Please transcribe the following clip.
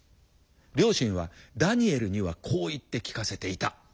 両親はダニエルにはこう言って聞かせていた。